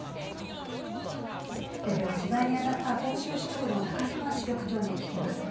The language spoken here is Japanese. では取材に当たった広州支局の高島支局長に聞きます。